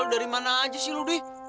lu dari mana aja sih ludwi